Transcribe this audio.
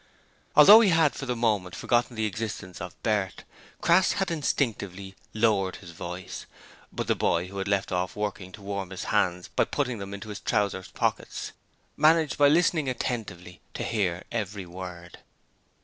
Although he had for the moment forgotten the existence of Bert, Crass had instinctively lowered his voice, but the boy who had left off working to warm his hands by putting them into his trousers pockets managed, by listening attentively, to hear every word.